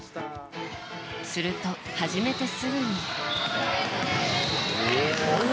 すると始めてすぐに。